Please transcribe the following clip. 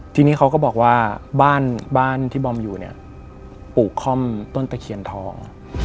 ทีนี้เขาก็บอกว่าบ้านบ้านที่บอมอยู่เนี่ยปลูกค่อมต้นตะเคียนทอง